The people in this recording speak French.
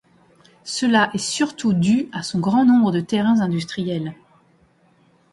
Cela est surtout dû à son grand nombre de terrains industriels.